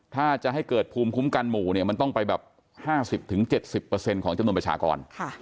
ถ้าจะให้เกิดภูมิคุ้มกันหมู่เนี่ยมันต้องไปแบบ๕๐๗๐ของจำนวนประชากร